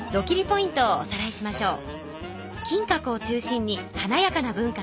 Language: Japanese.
ポイントをおさらいしましょう。